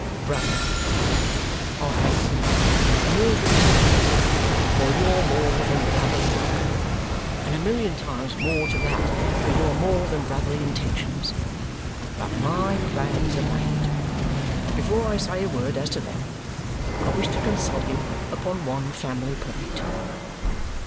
"Brother, I thank you a million times for your more than brotherly welcome, and a million times more to that for your more than brotherly intentions. But my plans are made. Before I say a word as to them, I wish to consult you upon one family point.